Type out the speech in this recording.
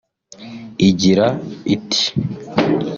Igira iti